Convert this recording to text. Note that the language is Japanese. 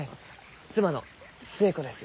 妻の寿恵子です。